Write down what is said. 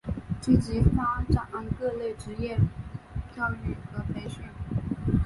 积极发展各类职业教育和培训。